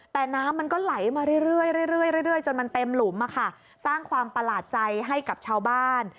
แต่น้ำมันก็ไหลมาเรื่อยจนมันเต็มหลุมสร้างความประหลาดใจให้กับชาวบ้าน